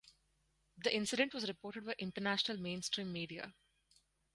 The incident was reported by international mainstream media.